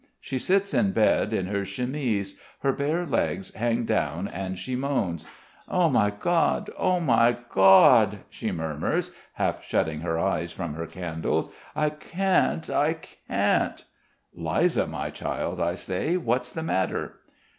She sits in bed in her chemise; her bare legs hang down and she moans. "Oh, my God ... oh, my God!" she murmurs, half shutting her eyes from our candles. "I can't, I can't." "Liza, my child," I say, "what's the matter?"